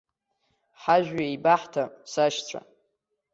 Ҳажәҩа еибаҳҭап, сашьцәа.